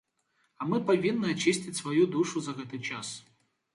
А мы павінны ачысціць сваю душу за гэты час.